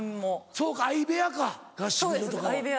そうか相部屋か合宿所とかは。